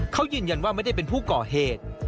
เขายืนยันว่าไม่ได้เป็นผู้ก่อเหตุ